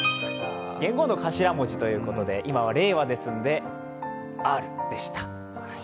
元号の頭文字ということで、今は令和ですので、Ｒでした。